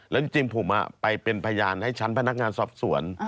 แล้วจริงผมไปเป็นพยานให้ชั้นพนักงานสอบสวน